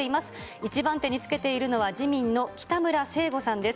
１番手につけているのは、自民の北村誠吾さんです。